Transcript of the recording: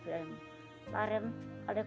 ini adalah orang yang sangat berharga